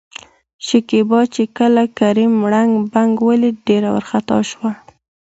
شکيبا چې کله کريم ړنګ، بنګ ولېد ډېره ورخطا شوه.